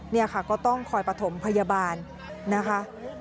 นี่ค่ะก็ต้องคอยประถมพยาบาลนะคะ